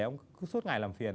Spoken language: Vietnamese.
ông cứ suốt ngày làm phiền